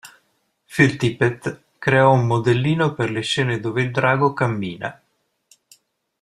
Phil Tippett creò un modellino per le scene dove il drago cammina.